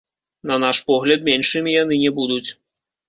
На наш погляд, меншымі яны не будуць.